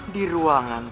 di ruangan kucingmu